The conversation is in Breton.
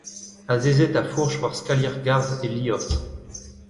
Azezet a-fourch war skalier garzh e liorzh.